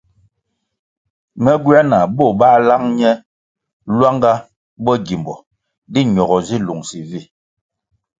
Me gywē nah bo bā lang ne lwanga bo gimbo di ñogo zi lungsi vi.